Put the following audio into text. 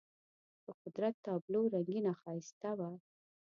د قدرت تابلو رنګینه ښایسته وه.